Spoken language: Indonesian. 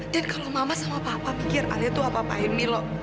dan kalau mama sama papa pikir alia itu apa apain milo